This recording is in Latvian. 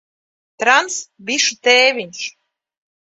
Trans - bišu tēviņš.